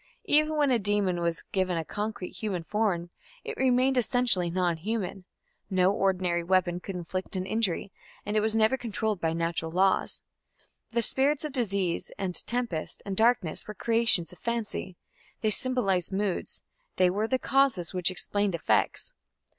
Even when a demon was given concrete human form it remained essentially non human: no ordinary weapon could inflict an injury, and it was never controlled by natural laws. The spirits of disease and tempest and darkness were creations of fancy: they symbolized moods; they were the causes which explained effects.